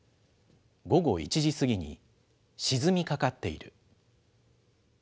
午後１時過ぎに、沈みかかっている。